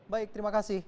baik terima kasih